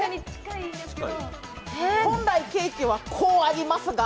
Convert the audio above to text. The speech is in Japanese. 本来、ケーキはこうありますが？